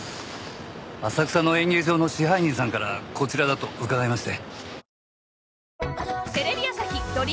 浅草の演芸場の支配人さんからこちらだと伺いまして。